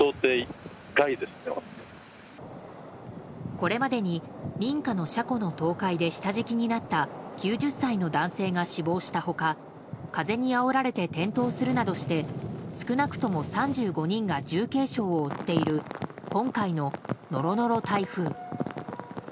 これまでに民家の車庫の倒壊で下敷きになった９０歳の男性が死亡した他風にあおられて転倒するなどして少なくとも３５人が重軽傷を負っている今回のノロノロ台風。